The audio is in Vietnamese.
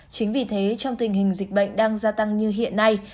chính vì thế trong tình hình dịch bệnh đang gia tăng như hiện nay